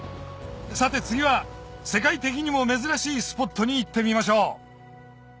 さて次は世界的にも珍しいスポットに行ってみましょう